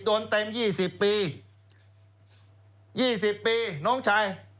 โดนเต็มยี่สิบปียี่สิบปีนโชคชาย